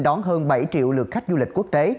đón hơn bảy triệu lượt khách du lịch quốc tế